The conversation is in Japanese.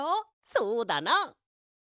そうだな！